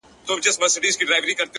وجود پرېږدمه; روح و گلنگار ته ور وړم;